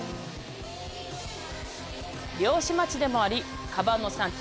漁師町でもありカバンの産地